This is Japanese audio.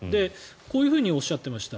こういうふうにおっしゃっていました。